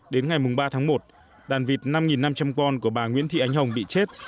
đến ngày ba tháng một đàn vịt năm năm trăm linh con của bà nguyễn thị ánh hồng bị chết